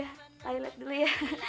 yaudah pilot dulu ya